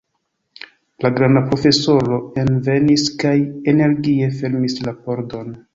La granda profesoro envenis kaj energie fermis la pordon.